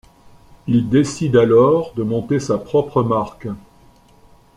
Il décide alors de monter sa propre marque.